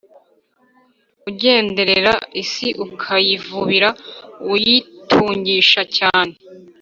Ugenderera isi ukayivubira uyitungisha cyane